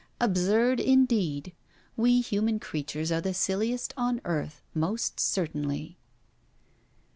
Absurd indeed. We human creatures are the silliest on earth, most certainly.